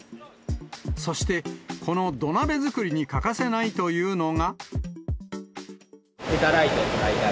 そして、この土鍋作りに欠かせないというのが。